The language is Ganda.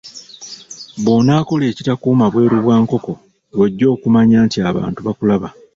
Bw'onaakola ekitakuuma bweru bwa nkoko, lw'ojja okumanya nti abantu bakulaba.